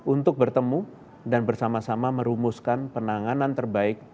untuk bertemu dan bersama sama merumuskan penanganan terbaik